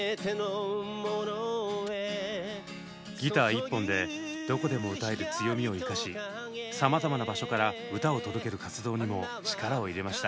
ギター１本でどこでも歌える強みを生かしさまざまな場所から歌を届ける活動にも力を入れました。